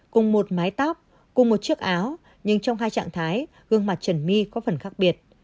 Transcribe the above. cùng một mái táp cùng một chiếc áo nhưng trong hai trạng thái gương mặt trần my có phần khác biệt